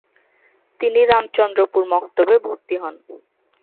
তিনি রামচন্দ্রপুর মক্তব-এ ভর্তি হন।